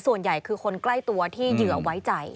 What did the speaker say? ส่วนใหญ่คือคนใกล้ตัวที่เหยื่อไว้ใจ